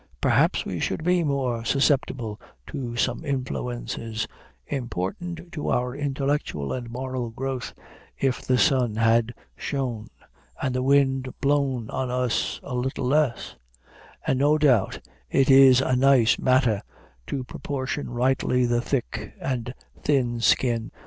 Perhaps we should be more susceptible to some influences important to our intellectual and moral growth, if the sun had shone and the wind blown on us a little less; and no doubt it is a nice matter to proportion rightly the thick and thin skin.